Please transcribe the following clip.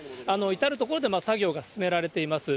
至る所で作業が進められています。